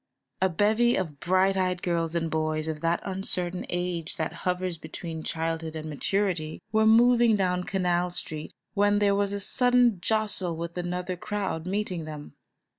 A bevy of bright eyed girls and boys of that uncertain age that hovers between childhood and maturity, were moving down Canal Street when there was a sudden jostle with another crowd meeting them.